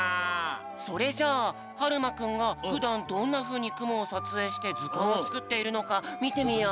それじゃあはるまくんがふだんどんなふうにくもをさつえいしてずかんをつくっているのかみてみよう。